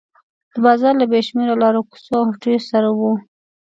دا بازار له بې شمېره لارو کوڅو او هټیو سره و.